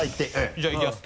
じゃあいきます